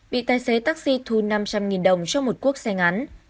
bị tài xế taxi thu năm trăm linh đồng cho một cuốc xe ngắn